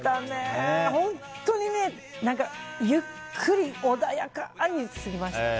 本当にゆっくりおだやかに過ぎましたね。